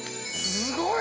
すごい！